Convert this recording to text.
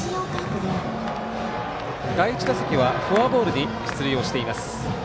第１打席はフォアボールで出塁をしています。